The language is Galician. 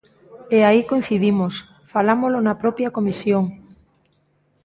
E aí coincidimos, falámolo na propia Comisión.